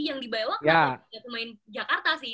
yang dibawa kan pemain jakarta sih